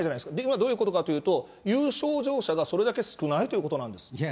どういうことかというと、有症状者がそれだけ少ないということですよ。